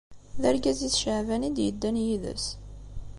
D argaz-is Caɛban i yeddan yid-s.